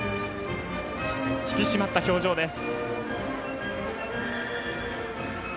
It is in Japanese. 引き締まった表情です。